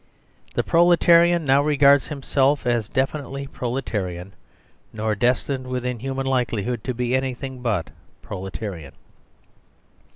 The proletarian now regards him self as definitely proletarian, nor destined within hu 139 THE SERVILE STATE man likelihood to be anything but proletarian.